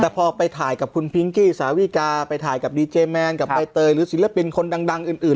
แต่พอไปถ่ายกับคุณพิงกี้สาวิกาไปถ่ายกับดีเจแมนกับใบเตยหรือศิลปินคนดังอื่น